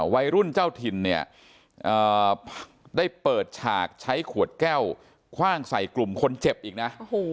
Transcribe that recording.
วัยรุ่นเจ้าถิ่นเนี่ยได้เปิดฉากใช้ขวดแก้วคว่างใส่กลุ่มคนเจ็บอีกนะ